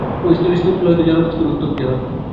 ঐগুলি স্থূল হইলে জড়বস্তুর উৎপত্তি হয়।